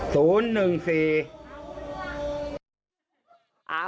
ศูนย์